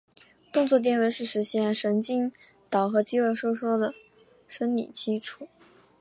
动作电位是实现神经传导和肌肉收缩的生理基础。